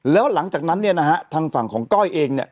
แล้วหลังจากนั้นเนี่ยนะฮะทางฝั่งของก้อยเองเนี่ย